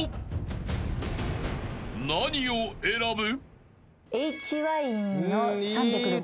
［何を選ぶ？］